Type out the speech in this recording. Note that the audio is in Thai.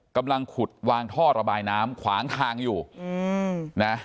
กำลังขุดวางท่อระบายน้ำขวางทางอยู่นะ